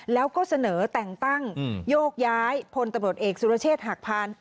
แล้วก็เสนอแต่งตั้งโยกย้ายพลตำรวจเอกสุรเชษฐ์หักพาน